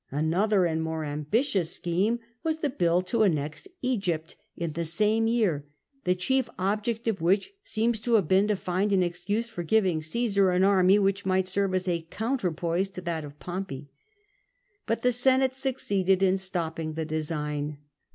Another and more ambitious scheme was the bill to annex Egypt in the same year, the chief object of which seems to have been to find an excuse for giving Caesar an army which might serve as a counter poise to that of Pompey. But the Senate succeeded in stopping the design.